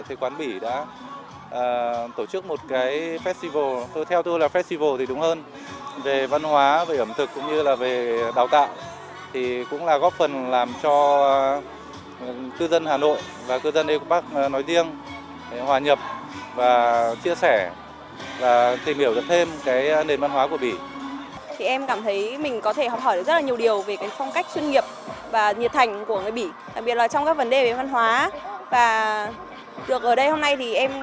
thì em cảm thấy mình có thể học hỏi được rất là nhiều điều về cái phong cách chuyên nghiệp và nhiệt thành của người bỉ đặc biệt là trong các vấn đề về văn hóa và được ở đây hôm nay thì em cảm thấy rất là vui